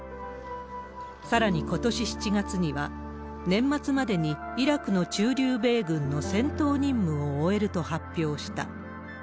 さらにことし７月には、年末までにイラクの駐留米軍の戦闘任務を終えると発表した。